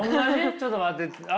ちょっと待って。